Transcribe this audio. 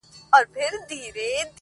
تا خو جهاني د سباوون په تمه ستړي کړو.!